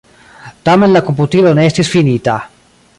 Tamen la komputilo ne estis finita.